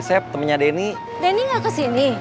gak ada yang kabur